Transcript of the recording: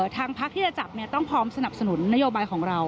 ทางพักที่จะจับต้องพร้อมสนับสนุนนโยบายของเรา